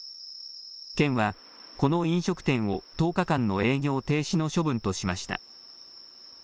県はこの飲食店を１０日間の営業停止の処分としました。